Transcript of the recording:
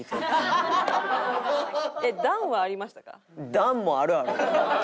段もあるある。